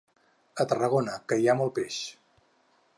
A Tarragona, que hi ha molt peix.